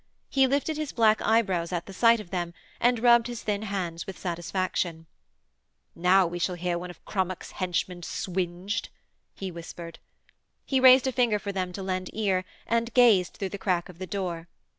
He lifted his black eyebrows at sight of them, and rubbed his thin hands with satisfaction. 'Now we shall hear one of Crummock's henchmen swinged,' he whispered. He raised a finger for them to lend ear and gazed through the crack of the door.